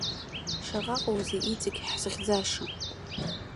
Шаҟаҟоузеи иҵегь ҳзыхьӡаша!